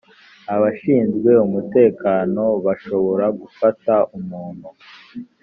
abashinzwe umutekano bashobora gufata umuntu